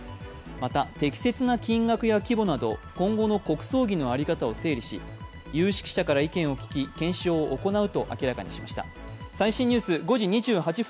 また適切な金額や規模など今後の国葬儀の在り方を検証し有識者から意見を聞き検証を行うと明らかにしました。